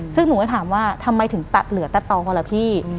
ซึ่งหนูก็ถามว่าทำไมถึงตัดเหลือตัดต่อเท่าไรพี่